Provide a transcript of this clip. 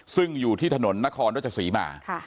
ซึ่งอยู่ที่ถนนนครรัชศรีมา